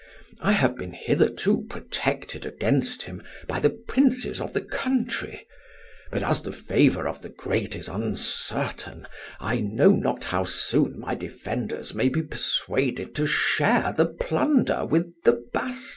I have been hitherto protected against him by the princes of the country; but as the favour of the great is uncertain I know not how soon my defenders may be persuaded to share the plunder with the Bassa.